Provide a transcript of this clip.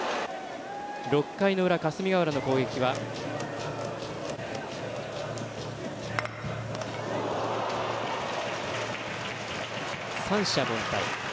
６回の裏、霞ヶ浦の攻撃は三者凡退。